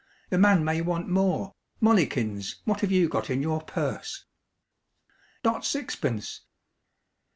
"The man may want more. Mollikins, what have you got in your purse?" "Dot sixpence."